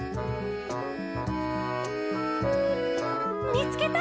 「みつけた！